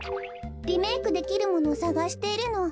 リメークできるものをさがしているの。